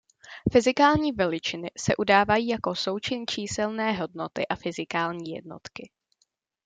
Fyzikální veličiny se udávají jako součin číselné hodnoty a fyzikální jednotky.